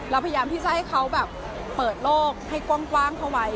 พยายามที่จะให้เขาแบบเปิดโลกให้กว้างเข้าไว้